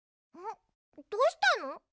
どうしたの？